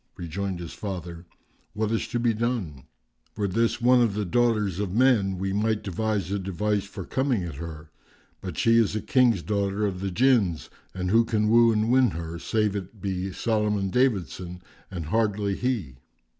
Rejoined his father, "What is to be done? Were this one of the daughters of men we might devise a device for coming at her; but she is a King's daughter of the Jinns and who can woo and win her, save it be Solomon David son, and hardly he?